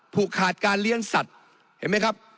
ผูกขาดการเลี้ยงสัตว์เห็นไหมครับ